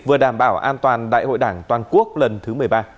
vừa đảm bảo an toàn đại hội đảng toàn quốc lần thứ một mươi ba